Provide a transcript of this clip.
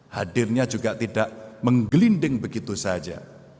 hadirnya juga tidak menggelinding begitu saja